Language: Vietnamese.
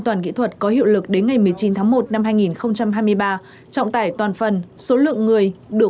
toàn kỹ thuật có hiệu lực đến ngày một mươi chín tháng một năm hai nghìn hai mươi ba trọng tải toàn phần số lượng người đủ